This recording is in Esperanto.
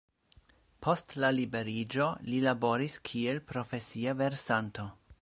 Post la liberiĝo li laboris kiel profesia versanto.